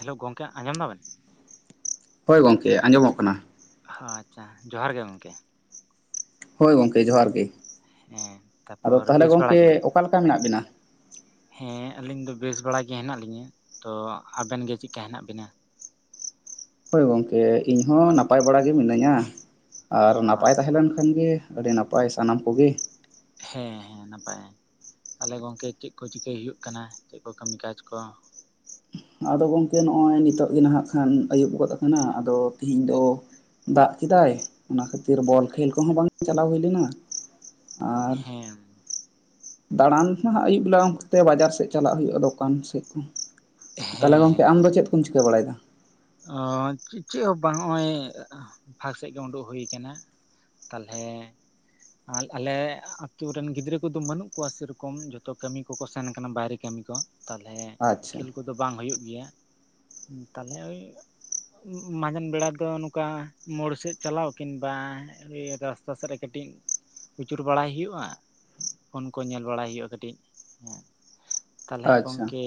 Hello ᱜᱚᱢᱠᱮ ᱟᱸᱡᱚᱢ ᱫᱟᱵᱮᱱ ᱦᱚᱭ ᱜᱚᱢᱠᱮ ᱟᱸᱡᱚᱢᱚᱜ ᱠᱟᱱᱟ ᱟᱪᱪᱷᱟ ᱡᱚᱦᱟᱨ ᱜᱮ ᱜᱚᱝᱠᱮ ᱦᱳᱭ ᱜᱚᱝᱠᱮ ᱡᱚᱦᱟᱨ ᱜᱮ ᱦᱮᱸ ᱟᱫᱚ ᱛᱟᱯᱚᱨ ᱛᱟᱦᱚᱞᱮ ᱜᱚᱢᱠᱮ ᱚᱠᱟᱞᱮᱠᱟ ᱢᱮᱱᱟᱜ ᱵᱤᱱᱟ ᱦᱮ ᱟᱹᱞᱤᱧ ᱫᱚ ᱵᱮᱥ ᱵᱟᱲᱟ ᱜᱮ ᱦᱮᱱᱟᱜ ᱞᱤᱧᱟ ᱛᱚ ᱟᱵᱮᱱ ᱜᱮ ᱪᱮᱫᱠᱟ ᱦᱮᱱᱟᱜ ᱵᱤᱱᱟ ᱦᱳᱭ ᱜᱚᱝᱠᱮ ᱤᱧ ᱦᱚᱸ ᱱᱟᱯᱟᱭ ᱵᱟᱲᱟ ᱜᱮ ᱢᱤᱱᱟᱹᱧᱟ ᱟᱨ ᱟᱪᱪᱷᱟ ᱱᱟᱯᱟᱭ ᱛᱟᱦᱮᱸ ᱞᱮᱱ ᱠᱷᱟᱱ ᱜᱮ ᱟᱹᱰᱤ ᱱᱟᱯᱟᱭ ᱥᱟᱱᱟᱢ ᱠᱚᱜᱮ ᱦᱮᱸ ᱦᱮᱸ ᱱᱟᱯᱟᱭ ᱛᱟᱦᱚᱞᱮ ᱜᱚᱝᱠᱮ ᱪᱮᱫ ᱠᱚ ᱪᱤᱠᱟᱹᱭ ᱦᱩᱭᱩᱜ ᱠᱟᱱᱟ ᱪᱮᱫ ᱠᱚ ᱠᱟᱹᱢᱤ ᱠᱟᱡᱽ ᱠᱚ ᱟᱫᱚ ᱜᱚᱝᱠᱮ ᱱᱚᱜ-ᱚᱭ ᱱᱤᱛᱚᱜ ᱜᱮ ᱱᱟᱦᱟᱜ ᱠᱷᱟᱱ ᱟᱹᱭᱩᱵ ᱜᱚᱫ ᱟᱠᱟᱱᱟ ᱟᱫᱚ ᱛᱤᱦᱤᱧ ᱫᱚ ᱫᱟᱜ ᱠᱮᱫᱟᱭ ᱚᱱᱟ ᱠᱷᱟᱹᱛᱤᱨ ᱵᱚᱞ ᱠᱷᱮᱞ ᱠᱚᱦᱚᱸ ᱵᱟᱝ ᱪᱟᱞᱟᱣ ᱦᱩᱭ ᱞᱮᱱᱟ ᱟᱨ ᱦᱮᱸ ᱫᱟᱬᱟᱱ ᱱᱟᱜ ᱟᱹᱭᱩᱵ ᱵᱮᱞᱟ ᱠᱚᱛᱮ ᱵᱟᱡᱟᱨ ᱥᱮᱫ ᱪᱟᱞᱟᱜ ᱦᱩᱭᱩᱜᱼᱟ ᱫᱚᱠᱟᱱ ᱥᱮᱫ ᱠᱚ ᱛᱟᱦᱚᱞᱮ ᱦᱮᱸ ᱦᱮᱸ ᱜᱚᱝᱠᱮ ᱟᱢ ᱫᱚ, ᱦᱮᱸ ᱪᱮᱫ ᱠᱚᱢ ᱪᱤᱠᱟᱹ ᱵᱟᱲᱟᱭᱮᱫᱟ? ᱚ ᱪᱮᱫ ᱦᱚᱸ ᱵᱟᱝ ᱱᱚᱜᱼᱚᱭ ᱵᱷᱟᱜ ᱥᱮᱫ ᱜᱮ ᱩᱰᱩᱠ ᱦᱩᱭ ᱟᱠᱟᱱᱟ ᱛᱟᱞᱦᱮ ᱟᱨ ᱟᱞᱮ ᱟᱹᱛᱩ ᱨᱮᱱ ᱜᱤᱫᱽᱨᱟᱹ ᱠᱚᱫᱚ ᱵᱟᱹᱱᱩᱜ ᱠᱚᱣᱟ ᱥᱮᱨᱚᱠᱚᱢ ᱡᱚᱛᱚ ᱠᱟᱹᱢᱤ ᱠᱚᱠᱚ ᱥᱮᱱ ᱠᱟᱱᱟ ᱵᱟᱭᱨᱮ ᱠᱟᱹᱢᱤ ᱠᱚ ᱛᱟᱞᱦᱮ ᱟᱪᱪᱷᱟ ᱠᱷᱮᱞ ᱠᱚᱫᱚ ᱵᱟᱝ ᱦᱩᱭᱩᱜ ᱜᱮᱭᱟ ᱛᱟᱞᱦᱮ ᱳᱭ ᱢᱟᱡᱟᱱ ᱵᱮᱲᱟ ᱫᱚ ᱱᱚᱝᱠᱟ ᱢᱚᱲ ᱥᱮᱫ ᱪᱟᱞᱟᱣ ᱠᱤᱱ ᱵᱟᱭ ᱤᱭᱟ ᱫᱚ ᱚᱠᱟᱥᱮᱫ ᱨᱮ ᱠᱟᱹᱴᱤᱡ ᱠᱷᱩᱪᱩᱨ ᱵᱟᱲᱟᱭ ᱦᱩᱭᱩᱜᱼᱟ ᱯᱷᱳᱱ ᱠᱚ ᱧᱮᱞ ᱵᱟᱲᱟᱭ ᱦᱩᱭᱩᱜᱼᱟ ᱠᱟᱹᱴᱤᱡ, ᱛᱟᱦᱚᱞᱮ ᱟᱪᱪᱷᱟ ᱜᱚᱝᱠᱮᱼᱼ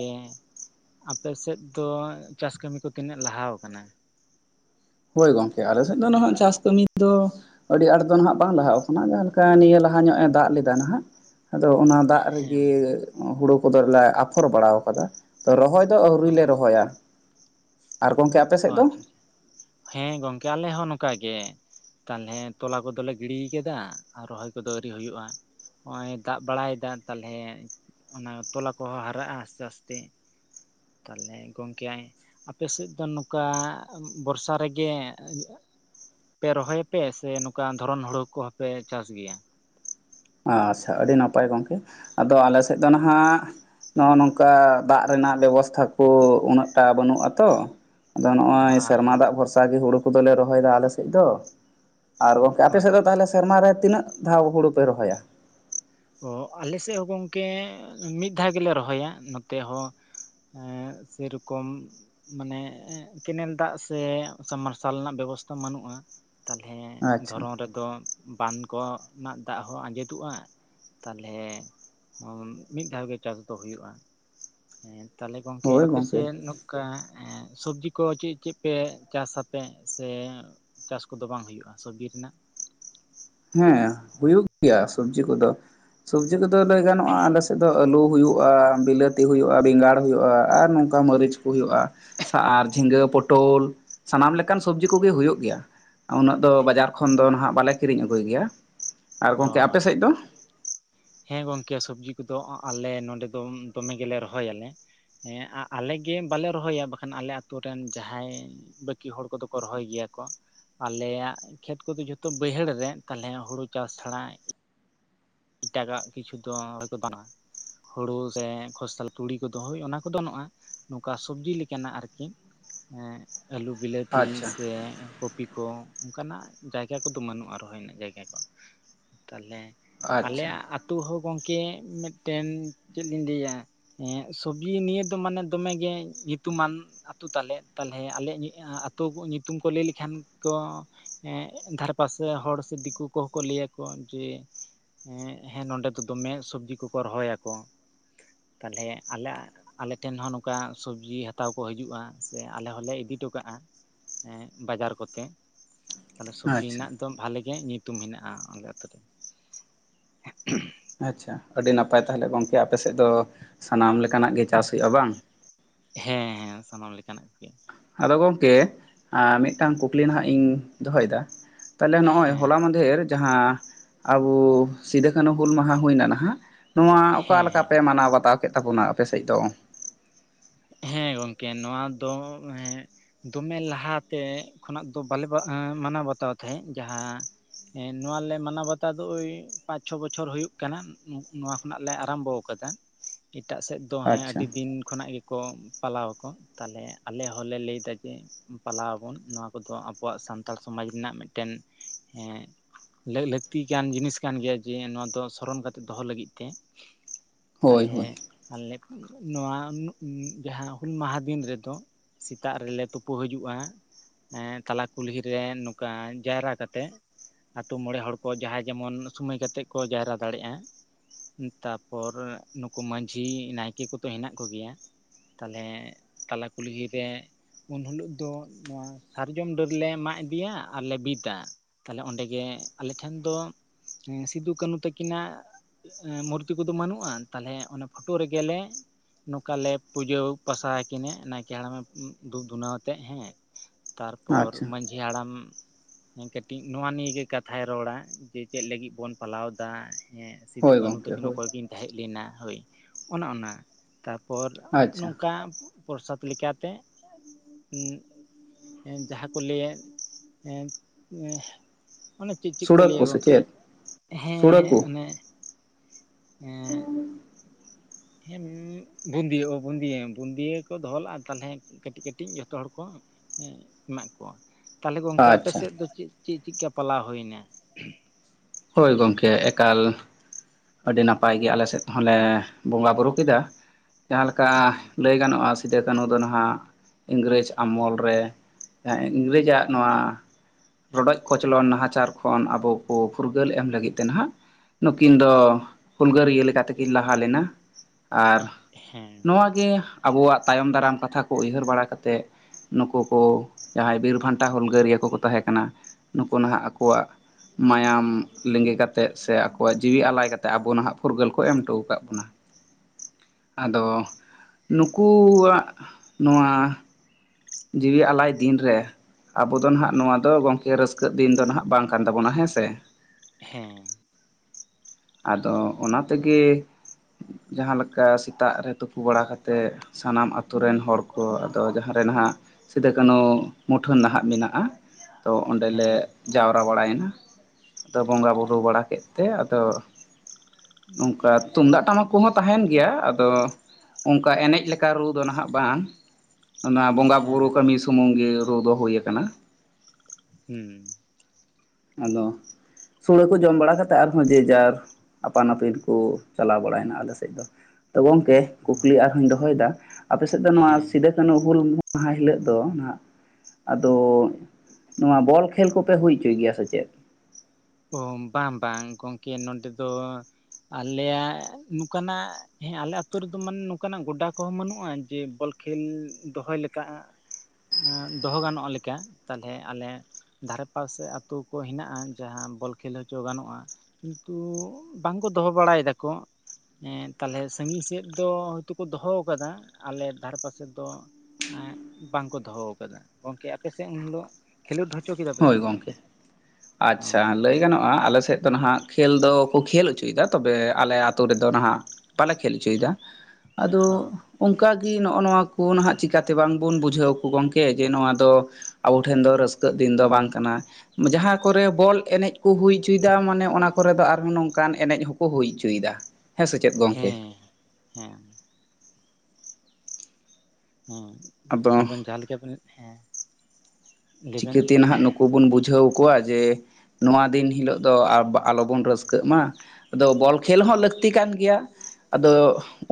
ᱟᱯᱮ ᱥᱮᱫ ᱫᱚ ᱪᱟᱥ ᱠᱟᱹᱢᱤ ᱠᱚ ᱛᱤᱱᱟᱹᱜ ᱞᱟᱦᱟ ᱟᱠᱟᱱᱟ? ᱦᱚᱭ ᱜᱚᱝᱠᱮ ᱟᱞᱮ ᱥᱮᱫ ᱫᱚ ᱱᱟᱦᱜ ᱪᱟᱥ ᱠᱟᱹᱢᱤ ᱫᱚ ᱟᱹᱰᱤ ᱟᱸᱴ ᱫᱚ ᱱᱟᱦᱜ ᱵᱟᱝ ᱞᱟᱦᱟᱣ ᱠᱷᱚᱱᱟᱜ ᱡᱟᱦᱟᱸ ᱞᱮᱠᱟ ᱱᱤᱭᱟᱹ ᱞᱟᱦᱟ ᱧᱚᱜ ᱮ ᱫᱟᱜ ᱞᱮᱫᱟ ᱱᱟᱦᱟᱜ ᱟᱫᱚ ᱚᱱᱟ ᱫᱟᱜ ᱦᱮᱸ ᱨᱮᱜᱮ ᱦᱩᱲᱩ ᱠᱚᱫᱚᱞᱮ ᱟᱯᱷᱚᱨ ᱵᱟᱲᱟ ᱟᱠᱟᱫᱟ ᱟᱫᱚ ᱨᱚᱦᱚᱭ ᱛᱚ ᱚ ᱟᱹᱣᱨᱤ ᱞᱮ ᱨᱚᱦᱚᱭᱟ ᱟᱨ ᱜᱚᱝᱠᱮ ᱟᱯᱮ ᱚ ᱥᱮᱫ ᱫᱚ ᱟᱪᱪᱷᱟ ᱪᱟ ᱦᱮᱸ ᱜᱚᱝᱠᱮ ᱟᱞᱮ ᱦᱚᱸ ᱱᱚᱝᱠᱟ ᱜᱮ ᱛᱟᱦᱚᱞᱮ ᱛᱚᱞᱟ ᱠᱚᱫᱚᱞᱮ ᱜᱤᱲᱤᱭ ᱠᱟᱫᱟ ᱨᱚᱦᱚᱭ ᱠᱚᱫᱚ ᱟᱹᱣᱨᱤ ᱦᱩᱭᱩᱜᱼᱟ ᱱᱚᱜᱼᱚᱭ ᱫᱟᱜ ᱵᱟᱲᱟᱭᱫᱟ ᱛᱟᱞᱮᱦᱮ ᱚᱱᱟ ᱛᱚᱞᱟ ᱠᱚᱦᱚᱸ ᱦᱟᱨᱟᱜᱼᱟ ᱟᱥᱛᱮ ᱟᱥᱛᱮ ᱛᱟᱦᱚᱞᱮ ᱜᱚᱝᱠᱮ ᱟᱯᱮ ᱥᱮᱫ ᱫᱚ ᱱᱚᱝᱠᱼᱼ ᱠᱟ ᱵᱚᱨᱥᱟ ᱨᱮᱜᱮ ᱯᱮ ᱨᱚᱦᱚᱭ ᱯᱮ ᱥᱮ ᱱᱚᱝᱠᱟ ᱫᱷᱚᱨᱚᱱ ᱦᱩᱲᱩ ᱠᱚᱦᱚᱸᱯᱮ ᱪᱟᱥ ᱜᱮᱭᱟ ᱟᱪᱪᱷᱟ ᱟᱹᱰᱤ ᱱᱟᱯᱟᱭ ᱜᱚᱝᱠᱮ ᱟᱫᱚ ᱟᱞᱮ ᱥᱮᱫ ᱫᱚ ᱱᱟᱦᱟᱜᱼᱼ ᱱᱚᱜ-ᱚ ᱱᱚᱝᱠᱟ ᱫᱟᱜ ᱨᱮᱱᱟᱜ ᱵᱮᱵᱚᱥᱛᱟ ᱠᱚ ᱩᱱᱟᱹᱜ ᱴᱟ ᱵᱟᱹᱱᱩᱜᱼᱟ ᱛᱚ ᱟᱫᱚ ᱱᱚᱜᱼᱚᱭ ᱦᱮᱸ ᱥᱮᱨᱢᱟ ᱫᱟᱜ ᱵᱷᱚᱨᱥᱟ ᱜᱮ ᱦᱩᱲᱩ ᱠᱚᱫᱚᱞᱮ ᱨᱚᱦᱚᱭ ᱫᱟ ᱟᱞᱮ ᱥᱮᱫ ᱫᱚ ᱟᱨ ᱜᱚᱝᱠᱮ ᱟᱯᱮ ᱦᱮᱸ ᱥᱮᱫ ᱫᱚ ᱟᱪᱪᱷᱟ ᱛᱟᱦᱚᱞᱮ ᱥᱮᱨᱢᱟᱨᱮ ᱛᱤᱱᱟᱹᱜ ᱫᱷᱟᱣ ᱦᱩᱲᱩ ᱯᱮ ᱨᱚᱦᱚᱭᱟ? ᱚᱜ ᱟᱞᱮ ᱥᱮᱫ ᱦᱚᱸ ᱜᱚᱝᱠᱮ ᱢᱤᱫ ᱫᱷᱟᱣ ᱜᱮᱞᱮ ᱨᱚᱦᱚᱭᱟ ᱱᱚᱛᱮ ᱦᱚᱸ ᱦᱮᱸ ᱥᱮᱨᱚᱠᱚᱢ ᱢᱟᱱᱮ ᱠᱮᱱᱮᱞ ᱫᱟᱜ ᱥᱮ ᱥᱟᱢ ᱢᱟᱨᱥᱟᱞ ᱨᱮᱱᱟᱜ ᱵᱮᱵᱚᱥᱛᱷᱟ ᱵᱟᱹᱱᱩᱜᱼᱟ ᱛᱟᱞᱦᱮ ᱟᱪᱪᱷᱟ ᱫᱷᱚᱨᱚᱱ ᱨᱮᱫᱚ ᱵᱟᱸᱫ ᱠᱚ ᱱᱟᱜ ᱫᱟᱜ ᱦᱚᱸ ᱟᱸᱡᱮᱫᱚᱜᱼᱟ ᱛᱟᱞᱦᱮ ᱢᱤᱫ ᱫᱷᱟᱣ ᱜᱮ ᱪᱟᱥ ᱫᱚ ᱦᱩᱭᱩᱜᱼᱟ ᱦᱮᱸ ᱛᱟᱦᱞᱮ ᱜᱚᱝᱠᱮ ᱟᱯᱮ ᱥᱮᱫ ᱚᱱᱠᱟ ᱥᱚᱵᱡᱤ ᱠᱚ ᱪᱮᱫ ᱪᱮᱫ ᱯᱮ ᱪᱟᱥ ᱟᱯᱮ ᱥᱮ ᱪᱟᱥ ᱠᱚᱫᱚ ᱵᱟᱝ ᱦᱩᱭᱩᱜᱼᱟ ᱥᱚᱵᱽᱡᱤ ᱨᱮᱱᱟᱜ ᱦᱮᱸ ᱦᱩᱭᱩᱜ ᱜᱮᱭᱟ ᱥᱚᱵᱽᱡᱤ ᱠᱚᱫᱚ ᱥᱚᱵᱽᱡᱤ ᱠᱚᱫᱚ ᱞᱟᱹᱭ ᱜᱟᱱᱚᱜᱼᱟ ᱟᱞᱮᱥᱮᱫ ᱫᱚ ᱟᱹᱞᱩ ᱦᱩᱭᱩᱜ ᱵᱤᱞᱟᱹᱛᱤ ᱦᱩᱭᱩᱜᱼᱟ ᱵᱮᱸᱜᱟᱲ ᱦᱩᱭᱩᱜᱼᱟ ᱟᱨ ᱱᱚᱝᱠᱟ ᱢᱟᱹᱨᱤᱪ ᱠᱚ ᱦᱩᱭᱩᱜᱼᱟ ᱟᱨ ᱡᱷᱤᱸᱜᱟᱹ ᱯᱚᱴᱚᱞ ᱥᱟᱱᱟᱢ ᱞᱮᱠᱟᱱ ᱥᱚᱵᱽᱡᱤ ᱠᱚᱜᱮ ᱦᱩᱭᱩᱜ ᱜᱮᱭᱟ ᱩᱱᱟᱹᱜ ᱫᱚ ᱵᱟᱡᱟᱨ ᱠᱷᱚᱱ ᱫᱚ ᱱᱟᱦᱜ ᱵᱟᱞᱮ ᱠᱤᱨᱤᱧ ᱟᱹᱜᱩᱭ ᱜᱮᱭᱟ ᱟᱨ ᱜᱚᱝᱠᱮ ᱟᱯᱮ ᱦᱳᱭ ᱥᱮᱫ ᱫᱚ ᱦᱮᱸ ᱜᱚᱝᱠᱮ ᱥᱚᱵᱽᱡᱤ ᱠᱚᱫᱚ ᱟᱞᱮ ᱱᱚᱸᱰᱮ ᱫᱚ ᱫᱚᱢᱮ ᱜᱮᱞᱮ ᱨᱚᱦᱚᱭᱟᱞᱮ ᱦᱮᱸ ᱟᱞᱮᱜ ᱜᱮ ᱵᱟᱞᱮ ᱨᱚᱦᱚᱭᱟ ᱵᱟᱠᱷᱟᱱ ᱟᱞᱮ ᱟᱛᱩ ᱨᱮᱱ ᱡᱟᱦᱟᱸᱭ ᱵᱟᱹᱠᱤ ᱦᱚᱲ ᱠᱚᱫᱚ ᱠᱚ ᱨᱚᱦᱚᱭ ᱜᱮᱭᱟ ᱠᱚ ᱟᱞᱮᱭᱟᱜ ᱠᱷᱮᱛ ᱠᱚᱫᱚ ᱡᱷᱚᱛᱚ ᱵᱟᱹᱭᱦᱟᱹᱲ ᱨᱮ ᱛᱟᱦᱚᱞᱮ ᱦᱩᱲᱩ ᱪᱟᱥ ᱪᱷᱟᱲᱟ ᱮᱴᱟᱜᱟᱜ ᱠᱤᱪᱷᱩ ᱫᱚ ᱵᱟᱝ ᱟ ᱦᱩᱲᱩ ᱥᱮ ᱠᱷᱚᱛᱥᱟᱞ ᱛᱩᱲᱤ ᱠᱚ ᱫᱚ ᱦᱳᱭ ᱚᱱᱟ ᱠᱚᱫᱚ ᱜᱟᱱᱚᱜᱼᱟ ᱱᱚᱝᱠᱟ ᱥᱚᱵᱽᱡᱤ ᱞᱮᱠᱟᱱᱟᱜ ᱟᱨᱠᱤ ᱦᱮᱸ ᱟᱹᱞᱩ ᱵᱤᱞᱟᱹᱛᱤ ᱟᱪᱪᱷᱟ ᱥᱮ ᱠᱚᱯᱤ ᱠᱚ ᱚᱱᱠᱟᱱᱟᱜ ᱡᱟᱭᱜᱟ ᱠᱚᱫᱚ ᱢᱟᱹᱱᱩᱜᱼᱟ ᱨᱚᱦᱚᱭ ᱨᱮᱱᱟᱜ ᱡᱟᱭᱜᱟ ᱠᱚ ᱛᱟᱦᱚᱞᱮ ᱟᱪᱪᱷᱟ ᱟᱞᱮᱭᱟᱜ ᱟᱹᱛᱩ ᱦᱚᱸ ᱜᱚᱝᱠᱮ ᱢᱤᱫᱴᱮᱱ ᱪᱮᱫ ᱞᱤᱧ ᱞᱟᱹᱭᱟ ᱦᱮᱸ ᱥᱚᱵᱽᱡᱤ ᱱᱤᱭᱟᱹ ᱫᱚ ᱢᱟᱱᱮ ᱫᱚᱢᱮ ᱜᱮ ᱧᱩᱛᱩᱢᱟᱱ ᱟᱹᱛᱩ ᱛᱟᱞᱮ ᱛᱟᱦᱚᱞᱮ ᱟᱞᱮᱭᱟᱜ ᱟᱹᱛᱩ ᱧᱩᱛᱩᱢ ᱠᱚ ᱞᱟᱹᱭ ᱞᱮᱠᱷᱟᱱ ᱠᱚ ᱦᱮᱸ ᱫᱷᱟᱨᱮᱯ ᱯᱟᱥᱮ ᱦᱚᱲ ᱥᱮ ᱫᱤᱠᱩ ᱠᱚᱦᱚᱸ ᱠᱚ ᱞᱟᱹᱭᱟ ᱠᱚ ᱡᱮ ᱦᱮᱸ ᱦᱮᱸ ᱱᱚᱸᱰᱮ ᱫᱚ ᱫᱚᱢᱮ ᱥᱚᱵᱽᱡᱤ ᱠᱚ ᱠᱚ ᱨᱚᱦᱚᱭᱟ ᱠᱚ ᱛᱟᱞᱦᱮ ᱟᱞᱮᱟᱜ ᱟᱞᱮ ᱴᱷᱮᱱ ᱦᱚᱸ ᱱᱚᱝᱠᱟ ᱥᱚᱵᱽᱡᱤ ᱦᱟᱛᱟᱣ ᱠᱚ ᱦᱤᱡᱩᱜᱼᱟ ᱥᱮ ᱟᱞᱮ ᱦᱚᱸᱞᱮ ᱤᱫᱤ ᱦᱚᱴᱚ ᱠᱟᱜᱼᱟ ᱦᱮᱸ ᱵᱟᱡᱟᱨ ᱠᱚᱛᱮ ᱛᱟᱦᱞᱮ ᱥᱚᱵᱽᱡᱤ ᱟᱪᱪᱷᱟ ᱨᱮᱱᱟᱜ ᱫᱚ ᱵᱷᱟᱞᱮ ᱜᱮ ᱧᱩᱛᱩᱢ ᱦᱮᱱᱟᱜᱼᱟ ᱟᱞᱮ ᱟᱛᱩ ᱨᱮ ᱩ ᱦᱩᱸ ᱟᱪᱪᱷᱟ ᱟᱹᱰᱤ ᱱᱟᱯᱟᱭ ᱛᱟᱦᱚᱞᱮ ᱜᱚᱝᱠᱮ ᱟᱯᱮ ᱥᱮᱫ ᱫᱚ ᱥᱟᱱᱟᱢ ᱞᱮᱠᱟᱱᱟᱜ ᱜᱮ ᱪᱟᱥ ᱦᱩᱭᱩᱜᱼᱟ ᱵᱟᱝ ᱦᱮᱸ ᱦᱮᱸ ᱥᱟᱱᱟᱢ ᱞᱮᱠᱟᱱᱟᱜ ᱜᱮ ᱟᱫᱚ ᱜᱚᱝᱠᱮ ᱢᱤᱫᱴᱟᱝ ᱠᱩᱠᱞᱤ ᱱᱟᱦᱟᱜ ᱤᱧ ᱫᱚᱦᱚᱭᱮᱫᱟ ᱛᱟᱦᱞᱮ ᱱᱚᱜᱼᱚᱭ ᱦᱮᱸ ᱦᱚᱞᱟ ᱢᱟᱫᱷᱮᱨ ᱡᱟᱦᱟᱸ ᱟᱵᱚ ᱥᱤᱫᱟᱹ ᱠᱟᱱᱦᱩ ᱦᱩᱞ ᱢᱟᱦᱟᱸ ᱦᱩᱭᱱᱟ ᱱᱟᱦᱟᱜ ᱱᱚᱣᱟ ᱚᱠᱟ ᱦᱮᱸ ᱞᱮᱠᱟ ᱦᱮᱸ ᱯᱮ ᱢᱟᱱᱟᱣ ᱵᱟᱛᱟᱣ ᱠᱮᱫ ᱛᱟᱵᱚᱱᱟ ᱟᱯᱮ ᱥᱮᱫ ᱫᱚ ᱦᱮᱸ ᱜᱚᱝᱠᱮ ᱱᱚᱣᱟ ᱫᱚ ᱫᱚᱢᱮ ᱞᱟᱦᱟ ᱛᱮ ᱠᱷᱚᱱᱟᱜ ᱫᱚ ᱵᱟᱞᱮ ᱢᱟᱱᱟᱣ ᱵᱟᱛᱟᱣ ᱛᱟᱦᱮᱸᱫ ᱡᱟᱦᱟᱸ ᱦᱮᱸ ᱱᱚᱣᱟ ᱞᱮ ᱢᱟᱱᱟᱣ ᱵᱟᱛᱟᱣ ᱫᱚ ᱳᱭ ᱯᱟᱸᱪ ᱪᱷᱚ ᱵᱚᱪᱷᱚᱨ ᱦᱩᱭᱩᱜ ᱠᱟᱱᱟ ᱱᱚᱣᱟ ᱠᱷᱚᱱᱟᱜ ᱞᱮ ᱟᱨᱟᱢᱵᱚ ᱠᱟᱫᱟ ᱮᱴᱟᱜ ᱥᱮᱫ ᱫᱚ ᱦᱮᱸ ᱟᱹᱰᱤ ᱟᱪᱪᱷᱟ ᱫᱤᱱ ᱠᱷᱚᱱᱟᱜ ᱜᱮ ᱠᱚ ᱯᱟᱞᱟᱣ ᱟᱠᱚ ᱛᱟᱦᱞᱮ ᱟᱞᱮ ᱦᱚᱸᱞᱮ ᱞᱟᱹᱭ ᱮᱫᱟ ᱡᱮ ᱯᱟᱞᱟᱣ ᱟᱵᱚᱱ ᱱᱚᱣᱟ ᱠᱚ ᱫᱚ ᱟᱵᱚᱣᱟᱜ ᱥᱟᱱᱛᱟᱲ ᱥᱚᱢᱟᱡᱽ ᱨᱮᱱᱟᱜ ᱢᱤᱫ ᱴᱮᱱ ᱦᱮᱸ ᱞᱟᱹ ᱞᱟᱹᱠᱛᱤ ᱠᱟᱱ ᱡᱤᱱᱤᱥ ᱠᱟᱱ ᱜᱮᱭᱟ ᱡᱮ ᱱᱚᱣᱟ ᱫᱚ ᱥᱚᱨᱚᱱ ᱠᱟᱛᱮᱜ ᱫᱚᱦᱚ ᱞᱟᱹᱜᱤᱫ ᱛᱮ ᱦᱳᱭ ᱛᱟᱞᱦᱮ ᱦᱳᱭ ᱟᱞᱮ ᱱᱚᱣᱟ ᱡᱟᱦᱟᱸ ᱦᱩᱞ ᱢᱟᱦᱟ ᱫᱤᱱ ᱨᱮᱫᱚ ᱥᱮᱛᱟᱜ ᱨᱮᱞᱮ ᱛᱩᱯᱩ ᱦᱤᱡᱩᱜᱼᱟ ᱦᱮᱸ ᱛᱟᱞᱟ ᱠᱩᱞᱦᱤ ᱨᱮ ᱱᱚᱠᱟ ᱡᱟᱣᱨᱟ ᱠᱟᱛᱮᱜ ᱟᱛᱩ ᱢᱚᱬᱮ ᱦᱚᱲ ᱠᱚ ᱡᱟᱦᱟᱸᱭ ᱡᱮᱢᱚᱱ ᱥᱚᱢᱚᱭ ᱠᱟᱛᱮᱫ ᱠᱚ ᱡᱟᱭᱨᱟ ᱫᱟᱲᱮᱭᱟᱜᱼᱟ ᱛᱟᱯᱚᱨ ᱱᱩᱠᱩ ᱢᱟᱺᱡᱷᱤ ᱱᱟᱭᱠᱮ ᱠᱚ ᱛᱚ ᱦᱮᱱᱟᱜ ᱠᱚ ᱜᱮᱭᱟ ᱛᱟᱦᱞᱮ ᱛᱟᱞᱟ ᱠᱩᱞᱦᱤ ᱨᱮ ᱩᱱ ᱦᱤᱞᱟᱹᱜ ᱫᱚ ᱱᱚᱣᱟ ᱥᱟᱨᱡᱚᱢ ᱰᱟᱹᱨ ᱞᱮ ᱢᱟᱜ ᱤᱫᱤᱭᱟ ᱟᱨ ᱞᱮ ᱵᱤᱫᱟ ᱛᱟᱦᱞᱮ ᱚᱸᱰᱮ ᱜᱮ ᱟᱞᱮ ᱴᱷᱮᱱ ᱫᱚ ᱥᱤᱫᱩ ᱠᱟᱹᱱᱦᱩ ᱛᱟᱹᱠᱤᱱᱟᱜ ᱢᱩᱨᱛᱤ ᱠᱚᱫᱚ ᱵᱟᱹᱱᱩᱜᱼᱟ ᱛᱟᱞᱦᱮ ᱚᱱᱟ ᱯᱷᱳᱴᱳ ᱨᱮᱜᱮ ᱞᱮ ᱱᱚᱠᱟ ᱞᱮ ᱯᱩᱡᱟᱹ ᱯᱟᱥᱟ ᱟᱠᱤᱱᱟ ᱱᱟᱭᱠᱮ ᱦᱟᱲᱟᱢ ᱮ ᱫᱷᱩᱯ ᱫᱷᱩᱱᱟᱹ ᱟᱛᱮᱜ ᱦᱮᱸ ᱛᱟᱨᱯᱚᱨ ᱟᱪᱪᱷᱟ ᱢᱟᱺᱡᱷᱤ ᱦᱟᱲᱟᱢ ᱠᱟᱹᱴᱤᱡ ᱱᱚᱣᱟ ᱱᱤᱭᱮ ᱜᱮ ᱠᱟᱛᱷᱟᱭ ᱨᱚᱲᱟ ᱡᱮ ᱪᱮᱫ ᱞᱟᱹᱜᱤᱫ ᱵᱚᱱ ᱯᱟᱞᱟᱣ ᱮᱫᱟ ᱦᱮᱸ ᱥᱤᱫᱩ ᱦᱳᱭ ᱠᱟᱹᱱᱦᱩ ᱜᱚᱝᱠᱮ ᱛᱟᱹᱠᱤᱱ ᱦᱳᱭ ᱚᱠᱚᱭ ᱠᱤᱱ ᱛᱟᱦᱮᱸ ᱞᱮᱱᱟ ᱦᱳᱭ ᱚᱱᱮ ᱚᱱᱟ ᱛᱟᱯᱚᱨ ᱟᱪᱪᱷᱟ ᱱᱚᱝᱠᱟ ᱯᱚᱨᱥᱟᱫ ᱞᱮᱠᱟᱛᱮ ᱡᱟᱦᱟᱸ ᱠᱚ ᱞᱟᱹᱭᱮᱫ ᱮᱸ ᱮᱸ ᱚᱱᱮ ᱪᱮᱫ ᱪᱮᱫ ᱠᱚ ᱥᱩᱲᱟᱹ ᱞᱟᱹᱭᱟ ᱥᱮ ᱜᱚᱝᱠᱮ ᱪᱮᱫ ᱥᱩᱲᱟᱹ ᱦᱮᱸ ᱠᱚ ᱚᱱᱮ ᱮᱱ ᱦᱮᱸ ᱵᱩᱸᱫᱤᱭᱟᱹ ᱚ ᱵᱩᱸᱫᱤᱭᱟᱹ ᱵᱩᱸᱫᱤᱭᱟᱹ ᱠᱚ ᱫᱚᱦᱚ ᱞᱟᱜᱼᱟ ᱛᱟᱞᱦᱮ ᱠᱟᱹᱴᱤᱡ ᱠᱟᱹᱴᱤᱡ ᱡᱚᱛᱚ ᱦᱚᱲ ᱠᱚ ᱮᱢᱟᱟᱜ ᱠᱚᱣᱟ ᱛᱟᱦᱞᱮ ᱜᱚᱝᱠᱮ ᱟᱯᱮ ᱟᱪᱪᱷᱟ ᱥᱮᱫ ᱫᱚ ᱪᱮᱫ ᱪᱮᱫ ᱪᱮᱫ ᱞᱮᱠᱟ ᱯᱟᱞᱟᱣ ᱦᱩᱭ ᱮᱱᱟ ᱦᱳᱭ ᱜᱚᱢᱠᱮ ᱮᱠᱟᱞ ᱟᱹᱰᱤ ᱱᱟᱯᱟᱭ ᱜᱮ ᱟᱞᱮ ᱥᱮᱫ ᱦᱚᱸᱞᱮ ᱵᱚᱸᱜᱟ ᱵᱩᱨᱩ ᱠᱮᱫᱟ ᱡᱟᱦᱟᱸ ᱞᱮᱠᱟ ᱦᱮᱸ ᱞᱟᱹᱭ ᱜᱟᱱᱚᱜᱼᱟ ᱥᱮ ᱥᱤᱫᱩ ᱠᱟᱹᱱᱦᱩ ᱫᱚ ᱱᱟᱦᱟᱜ ᱤᱝᱨᱮᱡᱽ ᱟᱢᱚᱞ ᱨᱮ ᱤᱝᱨᱮᱡᱽᱟᱜ ᱱᱚᱣᱟ ᱨᱚᱰᱚᱡ ᱠᱚᱪᱞᱚᱱ ᱱᱟᱦᱟᱪᱟᱨ ᱠᱷᱚᱱ ᱟᱵᱚ ᱠᱚ ᱯᱷᱩᱨᱜᱟᱹᱞ ᱮᱢ ᱞᱟᱹᱜᱤᱫ ᱛᱮ ᱱᱟᱦᱟᱜ ᱱᱩᱠᱤᱱ ᱫᱚ ᱦᱩᱞᱜᱟᱹᱨᱤᱭᱟᱹ ᱞᱮᱠᱟ ᱛᱮ ᱠᱤᱱ ᱞᱟᱦᱟ ᱞᱮᱱᱟ ᱟᱨ ᱦᱮᱸ ᱱᱚᱣᱟ ᱜᱮ ᱟᱵᱚᱣᱟᱜ ᱛᱟᱭᱚᱢ ᱫᱟᱨᱟᱢ ᱠᱟᱛᱷᱟ ᱠᱚ ᱩᱭᱦᱟᱹᱨ ᱵᱟᱲᱟ ᱠᱟᱛᱮᱫ ᱱᱩᱠᱩ ᱠᱚ ᱡᱟᱦᱟᱸᱭ ᱵᱤᱨ ᱵᱷᱟᱱᱴᱟ ᱦᱩᱞᱜᱟᱹᱨᱤᱭᱟᱹ ᱠᱚ ᱠᱚ ᱛᱟᱦᱮᱸ ᱠᱟᱱᱟ ᱱᱩᱠᱩ ᱱᱟᱦᱟᱜ ᱟᱠᱚᱣᱟᱜ ᱢᱟᱭᱟᱢ ᱞᱮᱜᱮ ᱠᱟᱛᱮᱫ ᱥᱮ ᱟᱠᱚᱣᱟᱜ ᱡᱤᱣᱤ ᱟᱞᱟᱭ ᱠᱟᱛᱮᱫ ᱟᱵᱚ ᱱᱟᱦᱟᱜ ᱯᱷᱩᱨᱜᱟᱹᱞ ᱠᱚ ᱮᱢ ᱦᱚᱴᱚ ᱠᱟᱫ ᱵᱚᱱᱟ ᱟᱫᱚ ᱱᱩᱠᱩᱣᱟᱜ ᱱᱚᱣᱟ ᱡᱤᱣᱤ ᱟᱞᱟᱭ ᱫᱤᱱᱨᱮ ᱟᱵᱚ ᱫᱚ ᱱᱟᱦᱟᱸᱜ ᱱᱚᱣᱟ ᱫᱚ ᱜᱚᱝᱠᱮ ᱨᱟᱹᱥᱠᱟᱹᱜ ᱫᱤᱱ ᱫᱚ ᱱᱟᱦᱟᱸᱜ ᱵᱟᱝ ᱠᱟᱱ ᱛᱟᱵᱚᱱᱟ ᱦᱮᱸ ᱥᱮ ᱦᱮᱸ ᱟᱫᱚ ᱚᱱᱟ ᱛᱮᱜᱮ ᱡᱟᱦᱟᱸ ᱞᱮᱠᱟ ᱥᱮᱛᱟᱜ ᱨᱮ ᱛᱩᱯᱩ ᱵᱟᱲᱟ ᱠᱟᱛᱮᱫ ᱥᱟᱱᱟᱢ ᱟᱛᱳ ᱨᱮᱱ ᱦᱚᱲ ᱠᱚ ᱟᱫᱚ ᱡᱟᱦᱟᱸ ᱨᱮ ᱱᱟᱦᱟᱜ ᱥᱤᱫᱩ ᱠᱟᱹᱱᱦᱩ ᱢᱩᱴᱷᱟᱹᱱ ᱱᱟᱦᱟᱜ ᱢᱮᱱᱟᱜᱼᱟ ᱛᱚ ᱚᱸᱰᱮ ᱞᱮ ᱦᱮᱸ ᱡᱟᱣᱨᱟ ᱵᱟᱲᱟᱭᱮᱱᱟ ᱟᱫᱚ ᱵᱚᱸᱜᱟ ᱵᱩᱨᱩ ᱵᱟᱲᱟ ᱠᱮᱫ ᱛᱮ ᱟᱫᱚ ᱱᱚᱝᱠᱟ ᱛᱩᱢᱫᱟᱜ ᱴᱟᱢᱟᱠ ᱠᱚᱦᱚᱸ ᱛᱟᱦᱮᱱ ᱜᱮᱭᱟ ᱟᱫᱚ ᱚᱱᱠᱟ ᱮᱱᱮᱡ ᱞᱮᱠᱟ ᱨᱩ ᱫᱚ ᱱᱟᱦᱟᱸᱜ ᱵᱟᱝ ᱚᱱᱟ ᱵᱚᱸᱜᱟ ᱦᱮᱸ [unintelligible] ᱥᱩᱢᱩᱝ ᱜᱮ ᱨᱩ ᱫᱚ ᱦᱩᱭ ᱟᱠᱟᱱᱟ ᱦᱩᱸ ᱟᱫᱚ ᱥᱳᱲᱟᱹ ᱠᱚ ᱡᱚᱢ ᱵᱟᱲᱟ ᱠᱟᱛᱮᱫ ᱟᱨᱦᱚᱸ ᱡᱮᱡᱟᱨ ᱟᱯᱟᱱ ᱟᱹᱯᱤᱱ ᱠᱚ ᱪᱟᱞᱟᱣ ᱵᱟᱲᱟᱭᱮᱱᱟ ᱟᱞᱮ ᱥᱮᱫ ᱫᱚ ᱛᱚ ᱜᱚᱝᱠᱮ ᱠᱩᱠᱞᱤ ᱟᱨ ᱦᱚᱸᱧ ᱫᱚᱦᱚᱭᱮᱫᱟ ᱟᱯᱮ ᱥᱮᱫ ᱫᱚ ᱱᱚᱣᱟ ᱦᱮᱸ ᱥᱤᱫᱟᱹ ᱠᱟᱱᱦᱩ ᱦᱩᱞ ᱢᱟᱦᱟ ᱦᱤᱞᱳᱜ ᱫᱚ ᱱᱟᱦᱟᱜ ᱟᱫᱚ ᱱᱚᱣᱟ ᱵᱚᱞ ᱠᱷᱮᱞ ᱠᱚᱯᱮ ᱦᱩᱭ ᱦᱚᱪᱚᱭ ᱜᱮᱭᱟ ᱥᱮ ᱪᱮᱫ? ᱚ ᱵᱟᱝ ᱵᱟᱝ ᱜᱚᱝᱠᱮ ᱱᱚᱰᱮ ᱫᱚ ᱟᱞᱮᱭᱟᱜ ᱱᱚᱝᱠᱟᱱᱟᱜ ᱦᱮᱸ ᱟᱞᱮ ᱟᱛᱳ ᱨᱮᱫᱚ ᱢᱟᱱᱮ ᱱᱚᱝᱠᱟᱱᱟᱜ ᱜᱚᱰᱟ ᱠᱚᱦᱚᱸ ᱵᱟᱹᱱᱩᱜᱼᱟ ᱡᱮ ᱵᱚᱞ ᱠᱷᱮᱞ ᱫᱚᱦᱚᱭ ᱞᱮᱠᱟᱣᱟᱜ ᱫᱚᱦᱚ ᱜᱟᱱᱚᱜ ᱞᱮᱠᱟ ᱛᱟᱞᱦᱮ ᱟᱞᱮ ᱫᱷᱟᱨᱮ ᱯᱟᱥᱮ ᱟᱹᱛᱩ ᱠᱚ ᱦᱮᱱᱟᱜᱼᱟ ᱡᱟᱦᱟᱸ ᱵᱚᱞ ᱠᱷᱮᱞ ᱦᱚᱪᱚ ᱜᱟᱱᱚᱜᱼᱟ, ᱠᱤᱱᱛᱩ ᱵᱟᱝᱠᱚ ᱫᱚᱦᱚ ᱵᱟᱲᱟᱭ ᱫᱟᱠᱚ ᱦᱮᱸ ᱛᱟᱞᱦᱮ ᱥᱟᱺᱜᱤᱧ ᱥᱮᱫ ᱫᱚ ᱦᱚᱭ ᱛᱚᱠᱚ ᱫᱚᱦᱚ ᱠᱟᱫᱟ ᱟᱞᱮ ᱫᱷᱟᱨᱮ ᱯᱟᱥᱮ ᱫᱚ ᱵᱟᱝᱠᱚ ᱫᱚᱦᱚ ᱠᱟᱫᱟ ᱜᱚᱝᱠᱮ ᱟᱯᱮ ᱥᱮ ᱩᱱᱦᱤᱞᱳᱜ ᱠᱷᱮᱞᱳᱰ ᱦᱚᱪᱚ ᱠᱮᱫᱟ ᱯᱮ ᱥᱮ ᱦᱳᱭ ᱪᱮᱫ? ᱜᱚᱝᱠᱮ ᱟᱪᱪᱷᱟ ᱞᱟᱹᱭ ᱜᱟᱱᱚᱜᱼᱟ ᱟᱞᱮ ᱥᱮᱫ ᱫᱚ ᱱᱟᱦᱟᱸᱜ ᱠᱷᱮᱞ ᱫᱚᱠᱚ ᱠᱷᱮᱞ ᱦᱚᱪᱚᱭᱮᱫᱟ ᱛᱚᱵᱮ ᱟᱞᱮ ᱟᱛᱳ ᱨᱮᱫᱚ ᱱᱟᱦᱟᱸᱜ ᱵᱟᱞᱮ ᱠᱷᱮᱞ ᱦᱚᱪᱚᱭᱮᱫᱟ ᱟᱫᱚ ᱚ ᱚᱱᱠᱟᱜᱮ ᱱᱚᱜᱼᱚ ᱱᱚᱣᱟ ᱠᱚ ᱱᱟᱦᱟᱸᱜ ᱪᱤᱟᱹᱛᱮ ᱵᱟᱝ ᱵᱚᱱ ᱵᱩᱡᱷᱟᱹᱣ ᱟᱠᱚ ᱜᱚᱝᱠᱮ ᱡᱮ ᱱᱚᱣᱟ ᱫᱚ ᱟᱵᱚ ᱴᱷᱮᱱ ᱫᱚ ᱨᱟᱹᱥᱠᱟᱹᱜ ᱫᱤᱱ ᱫᱚ ᱵᱟᱝ ᱠᱟᱱᱟ᱾ ᱡᱟᱦᱟᱸ ᱠᱚᱨᱮ ᱵᱚᱞ ᱮᱱᱮᱡ ᱠᱚ ᱦᱩᱭ ᱦᱚᱪᱚᱭᱫᱟ ᱢᱟᱱᱮ ᱚᱱᱟ ᱠᱚᱨᱮ ᱫᱚ ᱟᱨᱦᱚᱸ ᱱᱚᱝᱠᱟᱱ ᱮᱱᱮᱡ ᱦᱚᱸ ᱠᱩ ᱦᱩᱭ ᱪᱚᱭᱫᱟ ᱦᱮᱸ ᱦᱮᱸ ᱦᱮᱸ ᱟᱫᱚ ᱟᱵᱮᱱ ᱡᱟᱦᱟᱸ ᱞᱮᱠᱟ ᱵᱮᱱ, ᱦᱮᱸ ᱞᱟᱹᱭ ᱵᱮᱱ ᱪᱤᱠᱟᱹᱛᱮ ᱱᱟᱦᱟᱸᱜ ᱱᱩᱠᱩ ᱵᱚᱱ ᱵᱩᱡᱷᱟᱹᱣ ᱠᱚᱣᱟ ᱡᱮ ᱱᱚᱣᱟ ᱫᱤᱱ ᱦᱤᱞᱳᱜ ᱫᱚ ᱟᱞᱚᱵᱚᱱ ᱨᱟᱹᱥᱠᱟᱹᱜ ᱢᱟ ᱟᱫᱚ ᱵᱚᱞ ᱠᱷᱹᱮᱞ ᱦᱚᱸ ᱞᱟᱹᱠᱛᱤ ᱠᱟᱱ ᱜᱮᱭᱟ ᱟᱫᱚ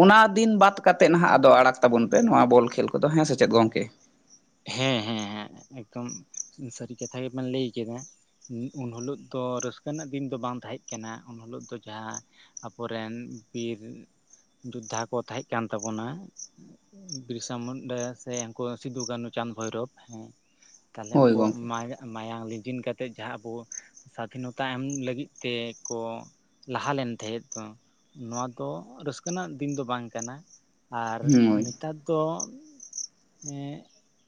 ᱚᱱᱟ ᱫᱤᱱ ᱵᱟᱫ ᱠᱟᱛᱮᱫ ᱱᱟᱦᱟᱸᱜ ᱟᱫᱚ ᱟᱲᱟᱜᱷ ᱛᱟᱵᱚᱱ ᱯᱮ ᱱᱚᱣᱟ ᱵᱚᱞ ᱠᱷᱮᱞ ᱠᱚᱫᱚ ᱦᱮᱸ ᱥᱮ ᱪᱮᱫ ᱜᱚᱝᱠᱮ? ᱦᱮᱸ ᱦᱮᱸ ᱦᱮᱸ ᱮᱠᱫᱚᱢ ᱥᱟᱹᱨᱤ ᱠᱟᱛᱷᱟ ᱜᱮᱵᱮᱱ ᱞᱟᱹᱭ ᱠᱮᱫᱟ᱾ ᱩᱱ ᱦᱤᱞᱳᱜ ᱫᱚ ᱨᱟᱹᱥᱠᱟᱹ ᱨᱮᱱᱟᱜ ᱫᱤᱱ ᱫᱚ ᱵᱟᱝ ᱛᱟᱦᱮᱸ ᱠᱟᱱᱟ ᱩᱱ ᱦᱤᱞᱳᱜ ᱫᱚ ᱡᱟᱦᱟᱸ ᱟᱵᱚᱨᱮᱱ ᱵᱤᱨ ᱡᱳᱫᱽᱫᱷᱟ ᱠᱚ ᱛᱟᱦᱮᱸ ᱠᱟᱱ ᱛᱟᱵᱚᱱᱟ ᱵᱤᱨᱥᱟ ᱢᱩᱱᱰᱟ ᱥᱮ ᱩᱱᱠᱩ ᱥᱤᱫᱩ ᱠᱟᱹᱱᱩ ᱪᱟᱸᱫᱷ ᱵᱷᱳᱭᱨᱳᱵ ᱦᱮᱸ ᱛᱟᱦᱚᱞᱮ ᱦᱳᱭ ᱩᱱᱠᱩᱣᱟᱜ ᱜᱚᱝᱠᱮ ᱢᱟᱭᱟᱝ ᱞᱤᱡᱤᱱ ᱠᱟᱛ ᱛᱮᱫ ᱡᱟᱦᱟᱸ ᱟᱵᱚ ᱥᱟᱫᱷᱤᱱᱚᱛᱟ ᱮᱢ ᱞᱟᱹᱜᱤᱫ ᱛᱮ ᱠᱚ ᱞᱟᱦᱟ ᱞᱮᱱ ᱛᱟᱦᱮᱸᱫ ᱫᱚ ᱱᱚᱣᱟ ᱫᱚ ᱨᱟᱹᱥᱠᱟᱹ ᱨᱮᱱᱟᱜ ᱫᱤᱱ ᱫᱚ ᱵᱟᱝ ᱠᱟᱱᱟ᱾ ᱟᱨ ᱦᱳᱭ ᱱᱮᱛᱟᱨ ᱫᱚ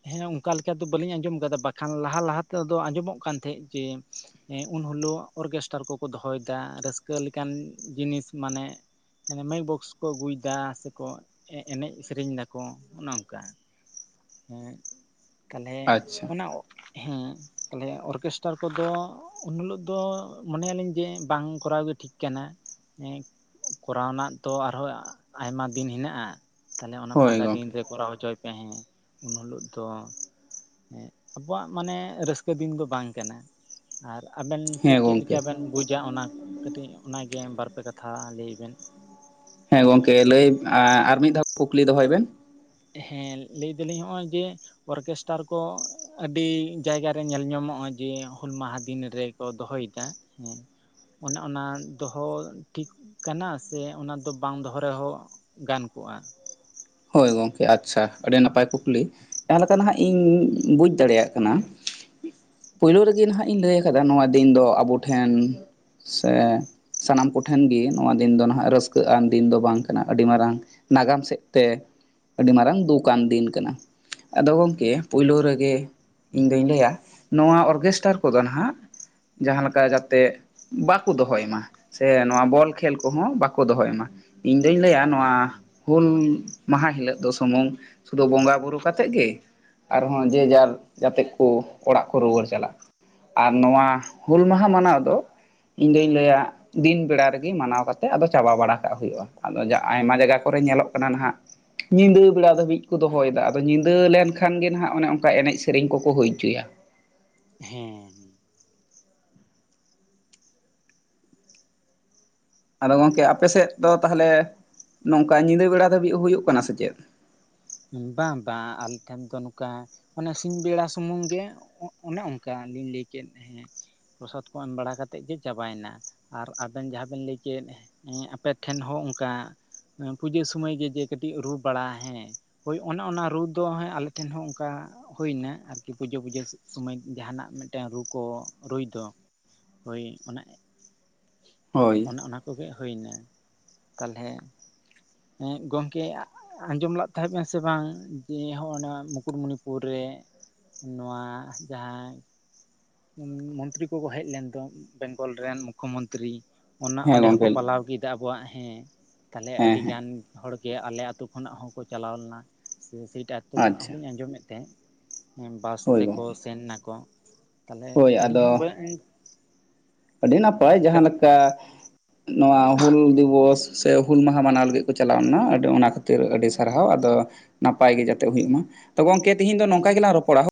ᱦᱮᱸ ᱚᱱᱠᱟ ᱞᱮᱠᱟ ᱵᱟᱹᱞᱤᱧ ᱟᱡᱚᱢ ᱠᱟᱫᱟ ᱵᱟᱠᱷᱟᱱ ᱞᱟᱦᱟ ᱞᱟᱦᱟ ᱛᱮᱫᱚ ᱟᱡᱚᱢᱚᱜ ᱠᱟᱱ ᱛᱟᱦᱮᱫ ᱡᱮ ᱦᱮᱸ ᱩᱱ ᱦᱤᱞᱳᱜ ᱚᱨᱜᱮᱥᱴᱟᱨ ᱠᱚᱠᱚ ᱫᱚᱦᱚᱭᱫᱟ ᱨᱟᱹᱥᱠᱟᱹ ᱞᱮᱠᱟᱱ ᱡᱤᱱᱤᱥ ᱢᱟᱱᱮ ᱢᱟᱭᱤᱠ ᱵᱚᱠᱥ ᱠᱚ ᱟᱹᱜᱩᱭᱫᱟ ᱥᱮᱠᱚ ᱮᱱᱮᱡ ᱥᱮᱨᱮᱧ ᱫᱟᱠᱚ ᱚᱱᱮ ᱚᱝᱠᱟ ᱦᱮᱸ ᱛᱟᱞᱦᱮ ᱟᱪᱪᱷᱟ ᱚᱱᱟ ᱦᱮᱸ ᱛᱟᱞᱦᱮ ᱚᱨᱠᱮᱥᱴᱟᱨ ᱠᱚᱫᱚ ᱩᱱ ᱦᱤᱞᱳᱜ ᱫᱚ ᱢᱚᱱᱮᱭᱟᱞᱤᱧ ᱡᱮ ᱵᱟᱝ ᱠᱚᱨᱟᱣ ᱜᱮ ᱴᱷᱤᱠ ᱠᱟᱱᱟ ᱠᱚᱨᱟᱣ ᱨᱮᱱᱟᱜ ᱛᱚ ᱟᱨᱦᱚᱸ ᱟᱭᱢᱟ ᱫᱤᱱ ᱦᱮᱱᱟᱜ-ᱟ᱾ ᱛᱟᱞᱦᱮ ᱚᱱᱟ ᱦᱳᱭ ᱯᱷᱟᱸᱠᱟ ᱫᱤᱱ ᱜᱚᱝᱠᱮ ᱨᱮ ᱠᱚᱨᱟᱣ ᱦᱚᱪᱚᱭ ᱯᱮ ᱦᱮ ᱩᱱ ᱦᱤᱞᱳᱜ ᱫᱚ ᱦᱮᱸ ᱟᱵᱚᱣᱟᱜ ᱢᱟᱱᱮ ᱨᱟᱹᱥᱠᱟᱹ ᱫᱤᱱ ᱫᱚ ᱵᱟᱝ ᱠᱟᱱᱟ ᱟᱨ ᱟᱵᱮᱱ ᱪᱮᱫ ᱦᱮᱸ ᱪᱮᱫ ᱞᱮᱠᱟ ᱜᱚᱝᱠᱮ ᱵᱮᱱ ᱵᱩᱡᱟ ᱚᱱᱟ ᱠᱟᱹᱴᱤᱡ ᱚᱱᱟᱜᱮ ᱵᱟᱨᱯᱮ ᱠᱟᱛᱷᱟ ᱞᱟᱹᱭ ᱵᱮᱱ ᱦᱮᱸ ᱜᱚᱝᱠᱮ ᱞᱟᱹᱭ ᱟᱨ ᱢᱤᱫ ᱫᱷᱟᱣ ᱠᱩᱠᱞᱤ ᱫᱚᱦᱚᱭ ᱵᱮᱱ ᱦᱮᱸ ᱞᱟᱹᱭ ᱫᱟᱞᱤᱧ ᱱᱚᱜᱼᱚᱭ ᱡᱮ ᱚᱨᱠᱮᱥᱴᱟᱨ ᱠᱚ ᱟᱹᱰᱤ ᱡᱟᱭᱜᱟᱨᱮ ᱧᱮᱞ ᱧᱟᱢᱚᱜ-ᱟ ᱡᱮ ᱦᱩᱞ ᱢᱟᱦᱟ ᱫᱤᱱ ᱨᱮ ᱠᱚ ᱫᱚᱦᱚᱭᱫᱟ ᱦᱮᱸ ᱚᱱᱮ ᱚᱱᱟ ᱫᱚᱦᱚ ᱴᱷᱤᱠ ᱠᱟᱱᱟ ᱥᱮ ᱚᱱᱟ ᱫᱚ ᱵᱟᱝ ᱫᱚᱦᱚ ᱨᱮᱦᱚ ᱜᱟᱱ ᱠᱚᱜ-ᱟ ᱦᱳᱭ ᱜᱚᱝᱠᱮ ᱟᱪᱪᱷᱟ ᱟᱹᱰᱤ ᱱᱟᱯᱟᱭ ᱠᱩᱠᱞᱤ ᱡᱟᱦᱟᱸ ᱞᱟᱠᱟᱱ ᱦᱟᱸ ᱤᱧ ᱵᱩᱡᱽ ᱫᱟᱲᱮᱭᱟᱜ ᱠᱟᱱᱟ ᱯᱳᱭᱞᱳ ᱨᱮᱜᱮ ᱱᱟᱦᱟᱜ ᱤᱧ ᱞᱟᱹᱭ ᱠᱟᱫᱟ ᱱᱚᱣᱟ ᱫᱤᱱ ᱫᱚ ᱟᱵᱚ ᱴᱷᱮᱱ ᱥᱮ ᱥᱟᱱᱟᱢ ᱠᱚᱴᱷᱮᱱ ᱜᱮ ᱱᱚᱣᱟ ᱫᱤᱱ ᱫᱚ ᱱᱟᱦᱟᱜ ᱨᱟᱹᱥᱠᱟᱹ ᱟᱱ ᱫᱤᱱ ᱫᱚ ᱵᱟᱝ ᱠᱟᱱᱟ ᱟᱹᱰᱤ ᱢᱟᱨᱟᱝ ᱱᱟᱜᱟᱢ ᱥᱮᱫ ᱛᱮ ᱟᱹᱰᱤ ᱢᱟᱨᱟᱝ ᱫᱳᱠ ᱟᱱ ᱫᱤᱱ ᱠᱟᱱᱟ ᱟᱫᱚ ᱜᱚᱢᱠᱮ ᱯᱳᱭᱞᱳ ᱨᱮᱜᱮ ᱤᱧᱫᱩᱧ ᱞᱟᱹᱭᱟ ᱱᱚᱣᱟ ᱚᱨᱜᱮᱥᱴᱟᱨ ᱠᱚᱫᱚ ᱱᱟᱜ ᱡᱟᱦᱟ ᱞᱮᱠᱟ ᱡᱟᱛᱮ ᱵᱟᱠᱩ ᱫᱚᱦᱚᱭ ᱢᱟ ᱥᱮ ᱱᱚᱣᱟ ᱵᱚᱞ ᱠᱷᱮᱞ ᱠᱚᱦᱚ ᱵᱟᱠᱚ ᱫᱚᱦᱚᱭ ᱢᱟ ᱤᱧ ᱫᱩᱧ ᱞᱟᱹᱭᱟ ᱱᱚᱣᱟ ᱦᱩᱞ ᱢᱟᱦᱟ ᱦᱤᱞᱳᱜ ᱫᱚ ᱥᱩᱢᱩᱝ ᱥᱩᱫᱷᱩ ᱵᱚᱸᱜᱟ ᱵᱩᱨᱩ ᱠᱟᱛᱮᱜ ᱜᱮ ᱟᱨᱦᱚ ᱡᱮ ᱡᱟᱨ ᱡᱟᱛᱮ ᱠᱚ ᱚᱲᱟᱜ ᱠᱚ ᱨᱩᱣᱟᱹᱲ ᱪᱟᱞᱟᱜ ᱟᱨ ᱱᱚᱣᱟ ᱦᱩᱞ ᱢᱟᱦᱟ ᱢᱟᱱᱟᱣ ᱫᱚ ᱤᱧᱫᱩᱧ ᱞᱟᱹᱭᱟ ᱫᱤᱱ ᱵᱮᱲᱟ ᱨᱮᱜᱮ ᱢᱟᱱᱟᱣ ᱠᱟᱛᱮᱫ ᱟᱫᱚ ᱪᱟᱵᱟ ᱵᱟᱲᱟ ᱠᱟᱜ ᱦᱩᱭᱩᱜ-ᱟ ᱟᱫᱚ ᱟᱭᱢᱟ ᱡᱟᱭᱜᱟ ᱠᱚᱨᱮ ᱧᱮᱞᱚᱜ ᱠᱟᱱᱟ ᱱᱟᱦᱟᱜ ᱧᱤᱫᱟᱹ ᱵᱮᱲᱟ ᱫᱷᱟᱹᱵᱤᱡ ᱠᱚ ᱫᱚᱦᱚᱭᱮᱫᱟ ᱟᱫᱚ ᱧᱤᱫᱟᱹ ᱞᱮᱱᱠᱷᱟᱱ ᱜᱮ ᱱᱟᱦᱟᱜ ᱚᱱᱮ ᱚᱱᱠᱟ ᱮᱱᱮᱡ ᱥᱮᱨᱮᱧ ᱠᱚᱠᱚ ᱦᱩᱭ ᱚᱪᱚᱭᱟ ᱦᱮᱸ ᱟᱫᱚ ᱜᱚᱢᱠᱮ ᱟᱯᱮ ᱥᱮᱫ ᱫᱚ ᱛᱟᱦᱚᱞᱮ ᱱᱚᱝᱠᱟ ᱧᱤᱫᱟᱹ ᱵᱮᱲᱟ ᱫᱷᱟᱹᱵᱤᱡ ᱦᱩᱭᱩᱜ ᱠᱟᱱᱟ ᱥᱮ ᱪᱮᱫ ᱵᱟᱝ ᱵᱟᱝ ᱟᱞᱮ ᱴᱷᱮᱱ ᱫᱚ ᱱᱚᱝᱠᱟ ᱚᱱᱮ ᱥᱤᱧ ᱵᱮᱲᱟ ᱥᱩᱢᱩᱝ ᱜᱮ ᱚᱱᱮ ᱚᱱᱠᱟ ᱞᱤᱧ ᱞᱟᱹᱭ ᱠᱮᱫ ᱦᱮᱸ ᱯᱚᱨᱚᱥᱟᱫ ᱠᱚ ᱮᱢ ᱵᱟᱲᱟ ᱠᱟᱛᱮᱫ ᱜᱮ ᱪᱟᱵᱟᱭᱮᱱᱟ ᱟᱨ ᱟᱵᱮᱱ ᱡᱟᱦᱟᱸ ᱵᱮᱱ ᱞᱟᱹᱭ ᱠᱮᱫ ᱮᱸᱻ ᱟᱯᱮᱴᱷᱮᱱ ᱦᱚ ᱚᱱᱠᱟ ᱯᱩᱡᱟᱹ ᱥᱚᱢᱚᱭ ᱜᱮ ᱡᱮ ᱠᱟᱹᱴᱤᱡ ᱨᱩ ᱵᱟᱲᱟ ᱦᱮᱸ ᱦᱳᱭ ᱚᱱᱮ ᱚᱱᱟ ᱨᱩ ᱫᱚ ᱟᱞᱮᱴᱷᱮᱱ ᱦᱚᱸ ᱚᱱᱠᱟ ᱦᱩᱭᱱᱟ ᱟᱨᱠᱤ ᱯᱩᱡᱟᱹ ᱯᱩᱡᱟᱹ ᱥᱚᱢᱚᱭ ᱡᱟᱦᱟᱱᱟᱜ ᱢᱤᱫᱴᱮᱱ ᱨᱩ ᱠᱚ ᱨᱩᱭ ᱫᱚ ᱦᱳᱭ ᱚᱱᱟ ᱦᱳᱭ ᱚᱱᱮ ᱚᱱᱟ ᱠᱚᱜᱮ ᱦᱩᱭ ᱮᱱᱟ ᱛᱟᱞ ᱦᱮᱸ ᱜᱚᱢᱠᱮ ᱟᱸᱡᱚᱢ ᱞᱟᱜ ᱛᱟᱦᱮᱵ ᱵᱮᱱ ᱥᱮ ᱵᱟᱝ ᱡᱮ ᱦᱚᱸᱜ-ᱚᱭ ᱱᱚᱣᱟ ᱢᱩᱠᱩᱴᱢᱩᱱᱤᱯᱩᱨ ᱨᱮ ᱱᱚᱣᱟ ᱡᱟᱦᱟᱸ ᱢᱚᱱᱛᱨᱤ ᱠᱚᱠᱚ ᱦᱮᱡ ᱞᱮᱱ ᱫᱚ ᱵᱮᱝᱜᱚᱞ ᱨᱮᱱ ᱢᱩᱠᱷᱚᱢᱚᱱᱛᱨᱤ ᱚᱱᱟ ᱦᱮᱸ ᱚᱸᱰᱮ ᱜᱚᱝᱠᱮ ᱦᱚᱠᱚ ᱯᱟᱞᱟᱣ ᱠᱮᱫᱟ ᱟᱵᱚᱣᱟᱜ ᱦᱮᱸ ᱛᱟᱞᱮ ᱦᱮᱸ ᱟᱹᱰᱤ ᱦᱮᱸ ᱜᱟᱱ ᱦᱚᱲᱜᱮ ᱟᱞᱮ ᱟᱹᱛᱩ ᱠᱷᱚᱱᱟᱜ ᱦᱚᱠᱚ ᱪᱟᱞᱟᱣ ᱞᱮᱱᱟ ᱥᱮ ᱥᱮᱴᱟ ᱟᱹᱛᱩ ᱠᱷᱚᱱᱟᱜ ᱟᱪᱪᱷᱟ ᱦᱚᱞᱤᱧ ᱟᱸᱡᱚᱢᱮᱫ ᱛᱟᱦᱮ ᱵᱟᱥ ᱦᱳᱭ ᱛᱮᱠᱚ ᱜᱚᱝᱠᱮ ᱥᱮᱱ ᱱᱟᱠᱚ ᱛᱟᱞᱦᱮ ᱦᱳᱭ ᱟᱹᱞᱤᱧ ᱟᱫᱚ ᱦᱚ ᱵᱟ ᱟᱹᱰᱤ ᱱᱟᱯᱟᱭ ᱡᱟᱦᱟ ᱞᱟᱠᱟ ᱱᱚᱣᱟ ᱦᱩᱞ ᱫᱤᱵᱚᱥ ᱥᱮ ᱦᱩᱞ ᱢᱟᱦᱟ ᱢᱟᱱᱟᱣ ᱞᱟᱹᱜᱤᱫ ᱠᱚ ᱪᱟᱞᱟᱣ ᱞᱮᱱᱟ ᱚᱱᱟ ᱠᱷᱟᱹᱛᱤᱨ ᱟᱹᱰᱤ ᱥᱟᱨᱦᱟᱣ ᱟᱫᱚ ᱱᱟᱯᱟᱭ ᱜᱮ ᱡᱟᱛᱮ ᱦᱩᱭᱩᱜ ᱢᱟ ᱜᱚᱝᱠᱮ ᱛᱤᱦᱤᱧ ᱫᱚ ᱱᱚᱝᱠᱟ ᱜᱤᱞᱟᱝ ᱨᱚᱯᱚᱲᱟ